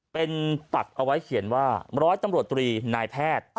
เป็นปักเอาไว้เขียนว่าร้อยตำรวจตรีนายแพทย์